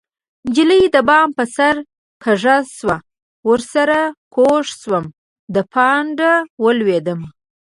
نجلۍ د بام په سر کږه شوه ورسره کوږ شومه د پانډه ولوېدمه